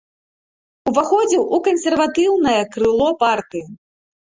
Уваходзіў у кансерватыўнае крыло партыі.